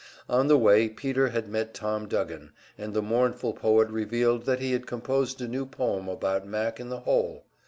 On the way Peter had met Tom Duggan, and the mournful poet revealed that he had composed a new poem about Mac in the "hole."